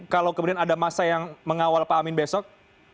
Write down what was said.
kalau kemudian ada masa yang mengawal pak amin besok